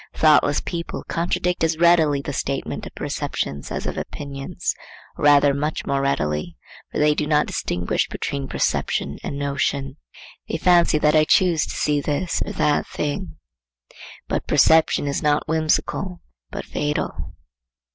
Thoughtless people contradict as readily the statement of perceptions as of opinions, or rather much more readily; for they do not distinguish between perception and notion. They fancy that I choose to see this or that thing. But perception is not whimsical, but fatal.